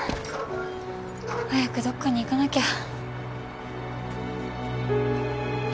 早くどっかに行かなきゃ。